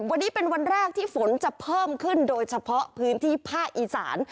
วันนี้เป็นวันแรกที่ฝนจะเพิ่มขึ้นโดยเฉพาะพื้นที่ภาคอีสาน